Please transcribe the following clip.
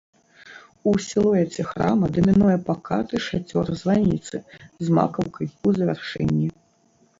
У сілуэце храма дамінуе пакаты шацёр званіцы з макаўкай у завяршэнні.